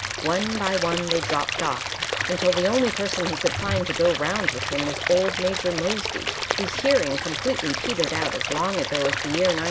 One by one they dropped off, until the only person he could find to go round with him was old Major Moseby, whose hearing completely petered out as long ago as the year '98.